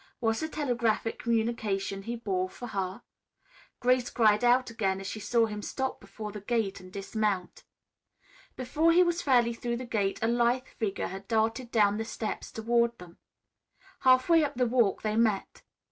Was the telegraphic communication he bore for her? Grace cried out again as she saw him stop before the gate and dismount. Before he was fairly through the gate a lithe figure had darted down the steps toward him. Halfway up the walk they met.